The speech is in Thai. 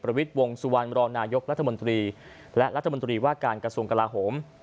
วิทย์วงสุวรรณรองนายกรัฐมนตรีและรัฐมนตรีว่าการกระทรวงกลาโหม